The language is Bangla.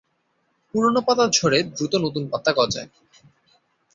পুরনো পাতা ঝরে দ্রুত নতুন পাতা গজায়।